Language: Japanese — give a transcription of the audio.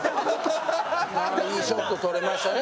あいいショット撮れましたね。